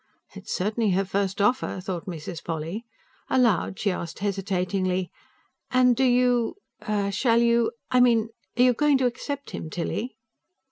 "It's certainly her first offer," thought Mrs. Polly. Aloud, she asked hesitatingly: "And do you ... shall you ... I mean, are you going to accept him, Tilly?"